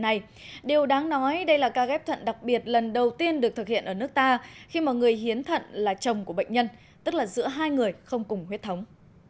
điều này điều đáng nói đây là ca ghép thận đặc biệt lần đầu tiên được thực hiện ở nước ta khi mà người hiến thận là chồng của bệnh nhân tức là giữa hai người không cùng huyết thống